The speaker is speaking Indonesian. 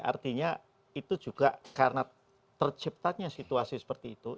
artinya itu juga karena terciptanya situasi seperti itu